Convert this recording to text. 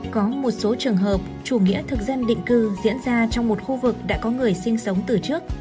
có một số trường hợp chủ nghĩa thực dân định cư diễn ra trong một khu vực đã có người sinh sống từ trước